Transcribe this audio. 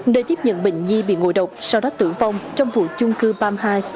nơi tiếp nhận bệnh nhi bị ngộ độc sau đó tử vong trong vụ chung cư băm hai